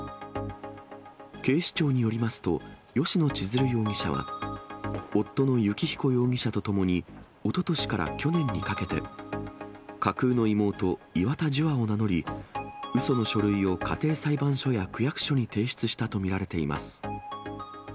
警視庁によりますと、吉野千鶴容疑者は夫の幸彦容疑者と共に、おととしから去年にかけて、架空の妹、岩田樹亞を名乗り、うその書類を家庭裁判所や区役所に提出したと見られています。